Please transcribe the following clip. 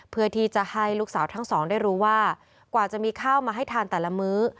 เพื่อที่จะให้ลูกสาวทั้งสองได้รู้ว่ากว่าจะมีข้าวมาให้ทานแต่ละมื้อ